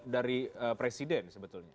dari presiden sebetulnya